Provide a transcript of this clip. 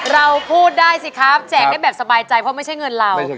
เราพูดได้สิครับแจกได้แบบสบายใจเพราะไม่ใช่เงินเรา